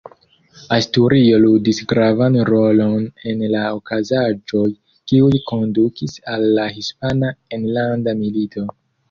Asturio ludis gravan rolon en la okazaĵoj, kiuj kondukis al la Hispana Enlanda Milito.